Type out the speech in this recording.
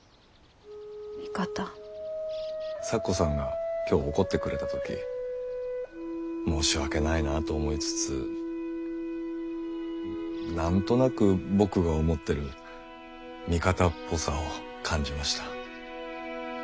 咲子さんが今日怒ってくれた時申し訳ないなと思いつつ何となく僕が思ってる味方っぽさを感じました。